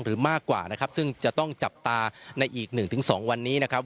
หรือมากกว่านะครับซึ่งจะต้องจับตาในอีกหนึ่งถึงสองวันนี้นะครับ